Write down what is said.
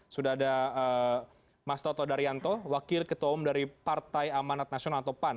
sudah ada mas toto daryanto wakil ketua umum dari partai amanat nasional atau pan